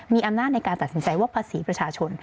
มีอำนาจในการตัดสินใจว่าภาษีประชาชน